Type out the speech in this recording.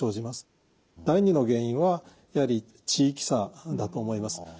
第２の原因はやはり地域差だと思います。